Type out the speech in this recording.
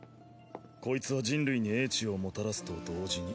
コイツは人類に英知をもたらすと同時に。